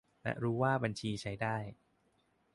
และรู้ว่าบัญชีใช้ได้